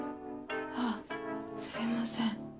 あぁすいません。